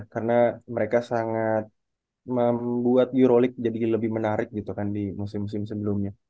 karena mereka sangat membuat euroleague jadi lebih menarik gitu kan di musim musim sebelumnya